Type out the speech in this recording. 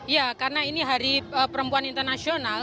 ya karena ini hari perempuan internasional